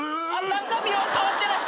中身は変わってない。